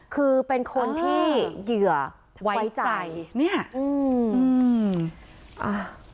คือเป็นคนที่เหยื่อไว้ใจเนี่ยอืมอ่า